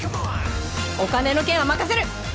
お金の件は任せる！